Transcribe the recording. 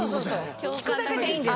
聞くだけでいいんです。